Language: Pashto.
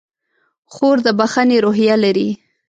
خور د بښنې روحیه لري.